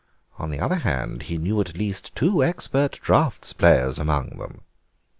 On the other hand, he knew at least two expert draughts players among them."